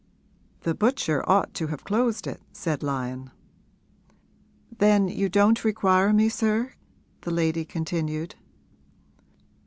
'The butcher ought to have closed it,' said Lyon. 'Then you don't require me, sir?' the lady continued.